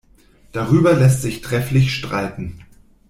Darüber lässt sich trefflich streiten.